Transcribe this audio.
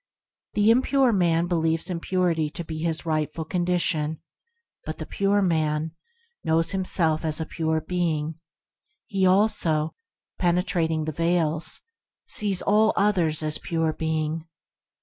The impure man believes impurity to be his rightful condition, but the pure man knows himself as pure being; he also, penetrating the Veils, sees all others as pure being.